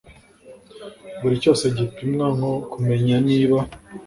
buri cyose gipimwa nko kumenya niba